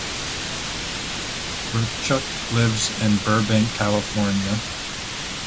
Repchuk lives in Burbank, California.